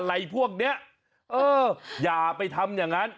อะไรพวกเนี้ยเอออย่าไปทำอย่างนั้น